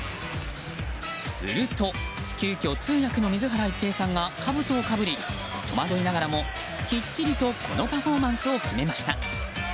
すると急きょ、通訳の水原一平さんがかぶとをかぶり戸惑いながらもキッチリとこのパフォーマンスを決めました。